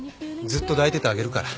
ずっと抱いててあげるから。